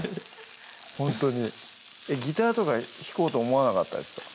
ほんとにギターとか弾こうと思わなかったですか？